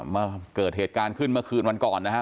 เมื่อเกิดเหตุการณ์ขึ้นเมื่อคืนวันก่อนนะฮะ